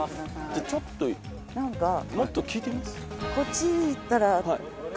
ちょっともっと聞いてみます？